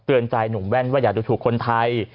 ใจหนุ่มแว่นว่าอย่าดูถูกคนไทย